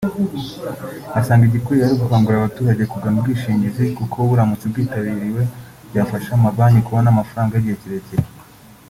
asanga igikwiye ari ugukangurira abaturage kugana ubwishingizi kuko buramutse bwitabiriwe byafasha amabanki kubona amafaranga y’igihe kirekire